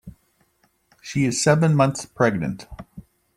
She is seven months pregnant.